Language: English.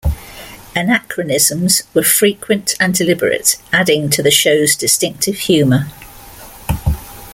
Anachronisms were frequent and deliberate, adding to the show's distinctive humour.